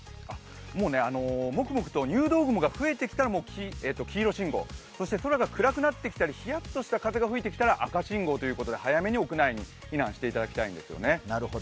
もくもくと入道雲が増えてきたら黄色信号、そして空が暗くなってきたりひやっとしてきたら赤信号、早めに屋内に避難していただきたいんですね。